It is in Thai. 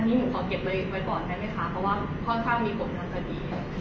อันนี้ผมขอเก็บไว้ก่อนได้ไหมค่ะเพราะว่าค่อนข้างมีปกติ